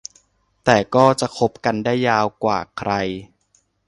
แต่ก็จะคบกันได้ยาวกว่าใคร